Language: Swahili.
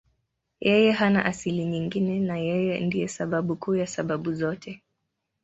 Yeye hana asili nyingine na Yeye ndiye sababu kuu ya sababu zote.